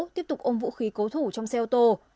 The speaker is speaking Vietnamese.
tiếp tục ôm vũ khí cố thủ trong xe ô tô